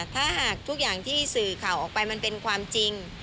ถ้าหากทุกอย่างที่สื่อข่าวออกไปมันเป็นความจริง